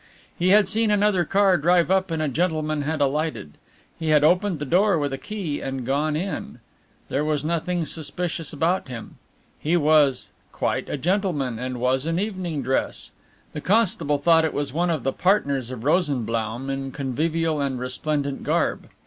He had seen another car drive up and a gentleman had alighted. He had opened the door with a key and gone in. There was nothing suspicious about him. He was "quite a gentleman, and was in evening dress." The constable thought it was one of the partners of Rosenblaum in convivial and resplendent garb.